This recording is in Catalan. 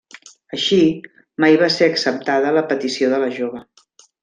Així, mai va ser acceptada la petició de la jove.